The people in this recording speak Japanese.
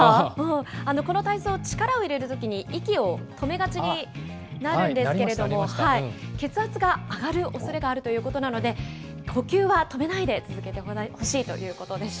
この体操、力を入れるときに息を止めがちになるんですけれども、血圧が上がるおそれがあるということなので、呼吸は止めないで続けてほしいということです。